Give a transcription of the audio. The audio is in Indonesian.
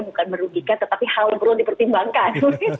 bukan merugikan tetapi hal yang perlu dipertimbangkan